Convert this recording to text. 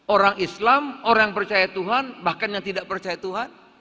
orang islam orang yang percaya tuhan bahkan yang tidak percaya tuhan